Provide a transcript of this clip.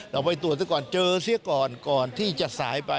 เราไปตรวจซะก่อนเจอเสียก่อนก่อนที่จะสายไป